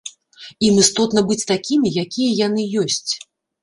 Ім істотна быць такімі, якія яны ёсць.